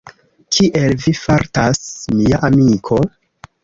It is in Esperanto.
Kiel vi fartas, mia amiko?